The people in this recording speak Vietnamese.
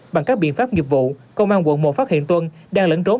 bằng các biện pháp nghiệp vụ công an quận một phát hiện tuân đang lẫn trốn